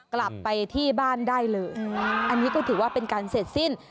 กลับไปที่บ้านได้เลยอันนี้ก็ถือว่าเป็นการเสร็จสิ้น